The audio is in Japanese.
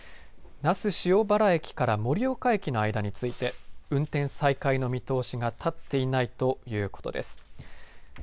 那須塩原駅から盛岡駅の間について運転再開の見通しが立っていないということです。